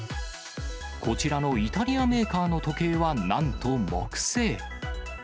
こちらのイタリアメーカーの時計はなんと木製。